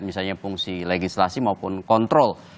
misalnya fungsi legislasi maupun kontrol